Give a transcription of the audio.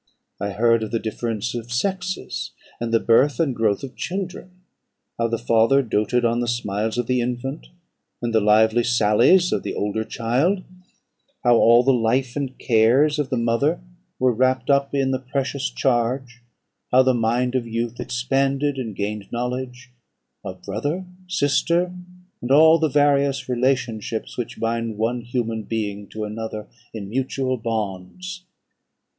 I heard of the difference of sexes; and the birth and growth of children; how the father doated on the smiles of the infant, and the lively sallies of the older child; how all the life and cares of the mother were wrapped up in the precious charge; how the mind of youth expanded and gained knowledge; of brother, sister, and all the various relationships which bind one human being to another in mutual bonds.